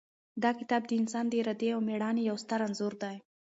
دا کتاب د انسان د ارادې او مېړانې یو ستر انځور دی.